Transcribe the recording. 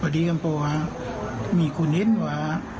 อดีตกว่ามีคนเห็นอ่ะ